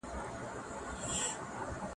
که تاريخ غلط وي نو ملت تېروځي.